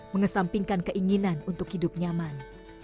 mengesampingkan keinginan untuk hidup nyaman